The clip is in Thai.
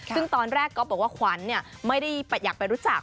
ซึ่งตอนแรกก๊อฟบอกว่าขวัญไม่ได้อยากไปรู้จัก